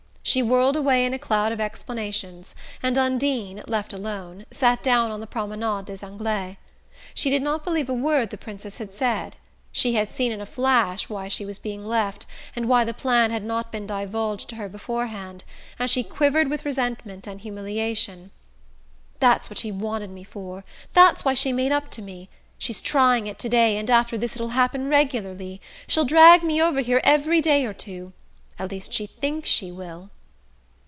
She whirled away in a cloud of explanations, and Undine, left alone, sat down on the Promenade des Anglais. She did not believe a word the Princess had said. She had seen in a flash why she was being left, and why the plan had not been divulged to her before hand; and she quivered with resentment and humiliation. "That's what she's wanted me for...that's why she made up to me. She's trying it to day, and after this it'll happen regularly...she'll drag me over here every day or two...at least she thinks she will!"